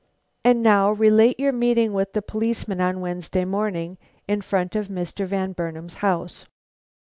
"And now relate your meeting with the policeman on Wednesday morning, in front of Mr. Van Burnam's house."